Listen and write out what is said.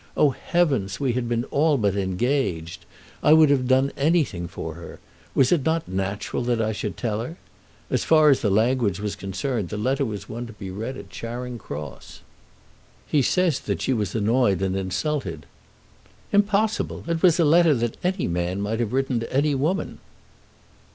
Oh heavens! we had been all but engaged. I would have done anything for her. Was it not natural that I should tell her? As far as the language was concerned the letter was one to be read at Charing Cross." "He says that she was annoyed and insulted." "Impossible! It was a letter that any man might have written to any woman."